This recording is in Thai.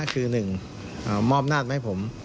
คือหนึ่งมอบนาดไหมผม